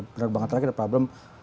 benar benar terakhir ada problem